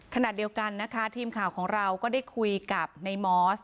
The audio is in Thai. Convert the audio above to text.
ขณะเดียวกันนะคะทีมข่าวของเราก็ได้คุยกับในมอส